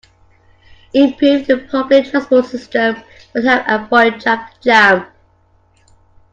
Improving the public transport system would help avoid traffic jams.